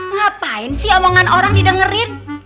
ngapain sih omongan orang didengerin